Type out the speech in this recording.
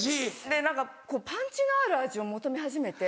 で何かパンチのある味を求め始めて。